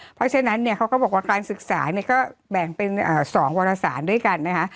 เพราะฉะนั้นเนี่ยเขาก็บอกว่าการศึกษาเนี่ยก็แบ่งเป็น๒วรสารด้วยกันนะคะ